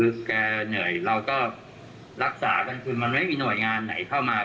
คือแกเหนื่อยเราก็รักษากันคือมันไม่มีหน่วยงานไหนเข้ามา